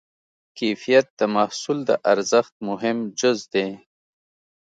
کیفیت د محصول د ارزښت مهم جز دی.